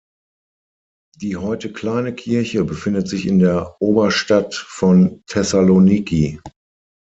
Die heute kleine Kirche befindet sich in der Oberstadt von Thessaloniki.